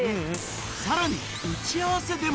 さらに打ち合わせでも。